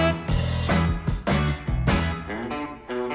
รับทราบ